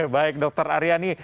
baik dokter aryani